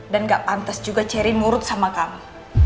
dan gak pantas juga ceri nurut sama kamu